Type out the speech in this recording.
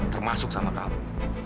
termasuk sama kamu